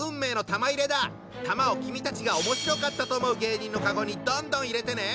玉を君たちがおもしろかったと思う芸人のカゴにどんどん入れてね！